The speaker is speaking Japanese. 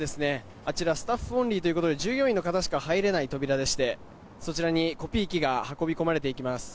あちらスタッフオンリーということで従業員の方しか入れない扉でしてそちらにコピー機が運び込まれていきます。